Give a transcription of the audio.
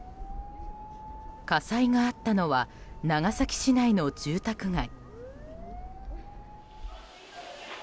火災があったのは長崎市内の住宅街。